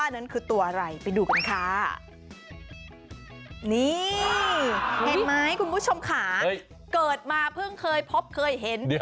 นี่ลูกชมค่ะเกิดมาเพิ่งเคยเพราะเคยเห็น